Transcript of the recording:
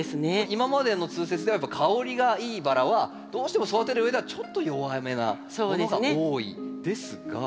今までの通説ではやっぱ香りがいいバラはどうしても育てるうえではちょっと弱めなものが多いですが。